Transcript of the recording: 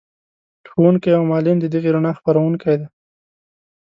ښوونکی او معلم د دغې رڼا خپروونکی دی.